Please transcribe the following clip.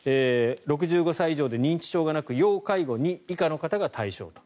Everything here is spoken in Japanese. ６５歳以上で認知症がなく要介護２以下の方が対象と。